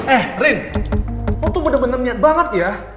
eh rin lo tuh bener bener niat banget ya